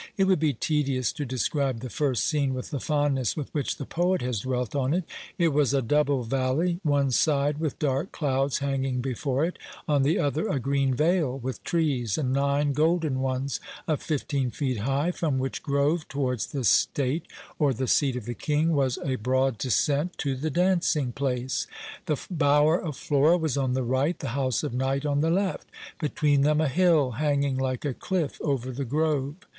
It would be tedious to describe the first scene with the fondness with which the poet has dwelt on it. It was a double valley; one side, with dark clouds hanging before it; on the other, a green vale, with trees, and nine golden ones of fifteen feet high; from which grove, towards "the State," or the seat of the king, was a broad descent to the dancing place: the bower of Flora was on the right, the house of Night on the left; between them a hill, hanging like a cliff over the grove.